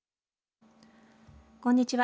こんにちは。